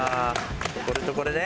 これとこれね。